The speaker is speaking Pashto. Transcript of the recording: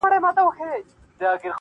• څه ښه یاران وه څه ښه یې زړونه -